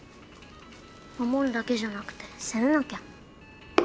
守るだけじゃなくて攻めなきゃ。